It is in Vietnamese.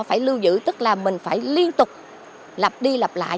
phải lưu giữ tức là mình phải liên tục lặp đi lặp lại